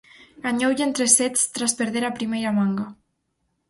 Gañoulle en tres sets tras perder a primeira manga.